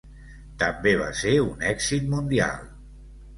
També va ser un èxit mundial.